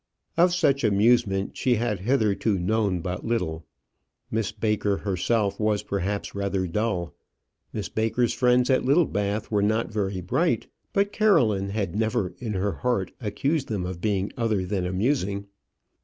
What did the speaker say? Of such amusement, she had hitherto known but little. Miss Baker herself was, perhaps, rather dull. Miss Baker's friends at Littlebath were not very bright; but Caroline had never in her heart accused them of being other than amusing.